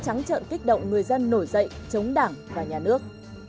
trắng trợn kích động người dân nổi dậy chống đảng và nhà nước